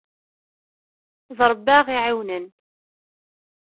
D Ṛebbi ay aɣ-iɛawnen.